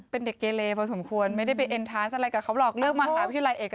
เป็นสวยตาเด็กเป็นดาราตาเด็ก